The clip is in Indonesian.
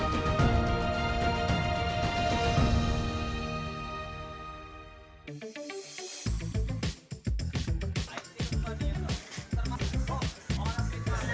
sean pilihan seperti ini melengkap den